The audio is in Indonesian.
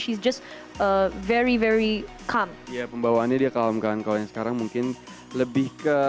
she's just very very calm ya pembawaannya dia calm kan kalau yang sekarang mungkin lebih ke